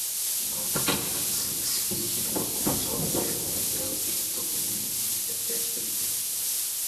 Not practising speaking will also affect my ability to communicate effectively.